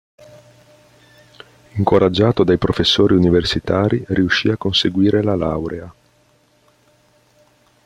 Incoraggiato dai professori universitari, riuscì a conseguire la laurea.